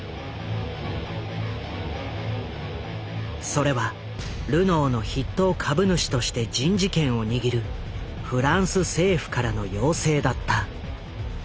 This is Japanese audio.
それはルノーの筆頭株主として人事権を握るフランス政府からの要請だった。